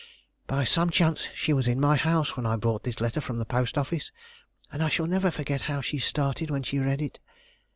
By some chance she was in my house when I brought this letter from the post office, and I shall never forget how she started when she read it.